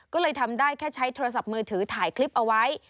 ก็เลยทำได้แค่ใช้โทรศัพท์มือถือถ่ายคลิปเอาไว้